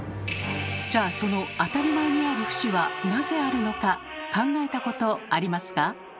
じゃあその当たり前にある節はなぜあるのか考えたことありますか？